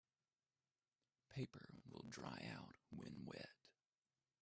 Paper will dry out when wet.